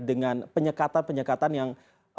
dengan penyekatan penyekatan yang